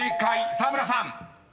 沢村さん］